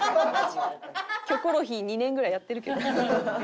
『キョコロヒー』２年ぐらいやってるけど。